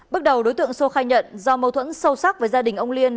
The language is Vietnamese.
bước đầu đối tượng sô khai nhận do mâu thuẫn sâu sắc với gia đình ông liên